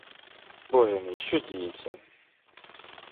Боже мій, що діється!